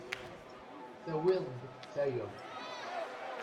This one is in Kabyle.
Tawiḍ-d tayeḍ.